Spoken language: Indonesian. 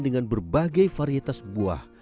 dengan berbagai varietas buah